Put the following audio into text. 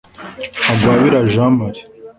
Ntagwabira Jean Marie